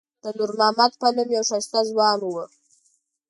د نور محمد په نوم یو ښایسته ځوان و.